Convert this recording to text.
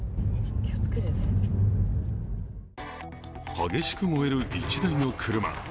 激しく燃える１台の車。